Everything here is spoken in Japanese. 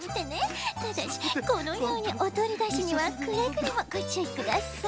ただしこのようにおどりだしにはくれぐれもごちゅういください。